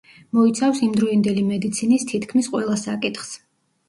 მოიცავს იმდროინდელი მედიცინის თითქმის ყველა საკითხს.